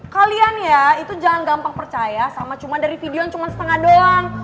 kalian ya itu jangan gampang percaya sama cuma dari video yang cuma setengah doang